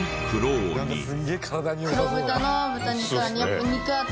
黒豚の豚肉は。